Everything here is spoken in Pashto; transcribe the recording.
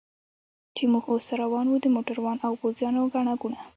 چې موږ اوس روان و، د موټرو او پوځیانو ګڼه ګوڼه.